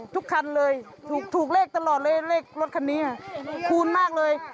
ทุกคันเลยถูกเลขตลอดเลยเลขรถคันนี้คูณมากเลย